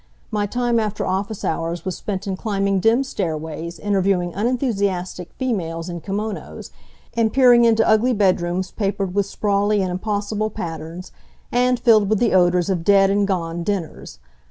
My time after office hours was spent in climbing dim stairways, interviewing unenthusiastic females in kimonos, and peering into ugly bedrooms papered with sprawly and impossible patterns and filled with the odors of dead and gone dinners.